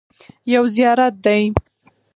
یو زیارت دی.